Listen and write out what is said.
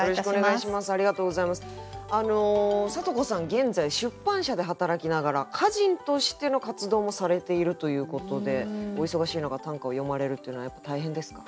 現在出版社で働きながら歌人としての活動もされているということでお忙しい中短歌を詠まれるというのはやっぱ大変ですか？